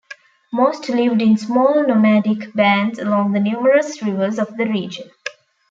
Most lived in small nomadic bands along the numerous rivers of the region.